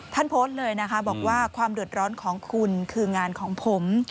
ท่านโพสต์เลยนะคะบอกว่าความเดือดร้อนของคุณคืองานของผม